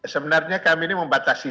sebenarnya kami ini membatasi